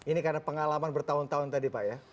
ini karena pengalaman bertahun tahun tadi pak ya